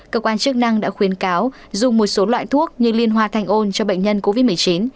cơ quan chức năng đã khuyến cáo dùng một số loại thuốc như liên hoa thanh ôn cho bệnh nhân covid một mươi chín